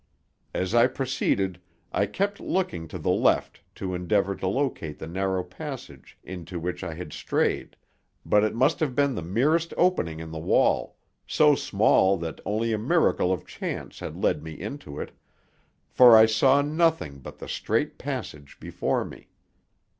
As I proceeded I kept looking to the left to endeavor to locate the narrow passage into which I had strayed, but it must have been the merest opening in the wall, so small that only a miracle of chance had led me into it, for I saw nothing but the straight passage before me.